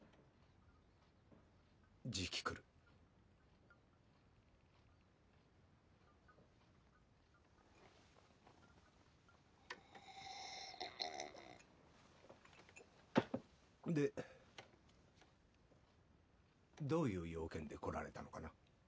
じき来るでどういう用件で来られたのかな？